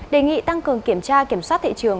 đề nghị tăng cường kiểm tra kiểm soát thị trường